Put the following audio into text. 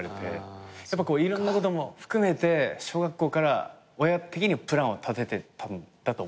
いろんなことも含めて小学校から親的にはプランを立ててたんだと思うんですよね。